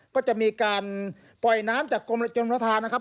ก็จะมีการปล่อยน้ำจากกรมจนประธานนะครับ